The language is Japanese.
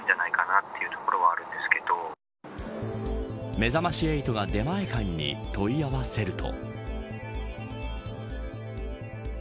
めざまし８は、出前館に問い合わせると。